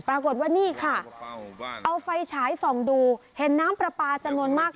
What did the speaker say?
ปรากฏว่านี่ค่ะเอาไฟฉายส่องดูเห็นน้ำปลาปลาจำนวนมาก